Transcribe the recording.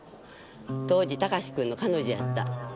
当時孝志君の彼女やった。